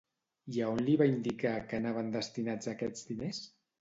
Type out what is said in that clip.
I a on li va indicar que anaven destinats aquests diners?